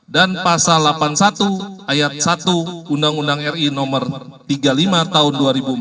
dan pasal delapan puluh satu ayat satu undang undang ri nomor tiga puluh lima tahun dua ribu empat belas